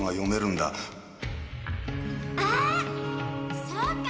あっそうか！